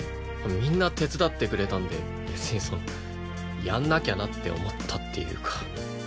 みんな手伝ってくれたんで別にそのやんなきゃなって思ったっていうか。